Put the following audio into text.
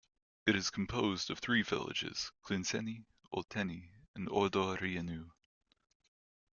It is composed of three villages: Clinceni, Olteni and Ordoreanu.